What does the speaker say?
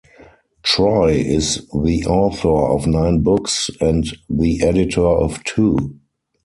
Troy is the author of nine books, and the editor of two.